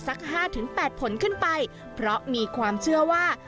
สัก๕๘ผลขึ้นไปเพราะมีความเชื่อว่า